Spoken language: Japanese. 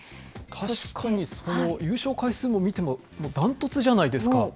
確かに優勝回数を見ても、だんとつじゃないですか。